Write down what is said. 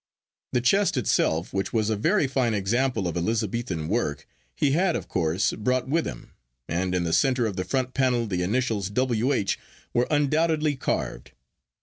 The chest itself, which was a very fine example of Elizabethan work, he had, of course, brought with him, and in the centre of the front panel the initials W. H. were undoubtedly carved.